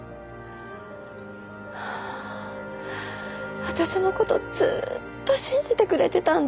ああ私のことずっと信じてくれてたんだって。